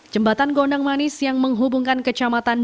jembatan gondang manis yang menghubungkan kecamatan